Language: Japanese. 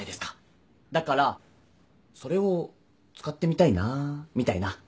だからそれを使ってみたいなみたいな。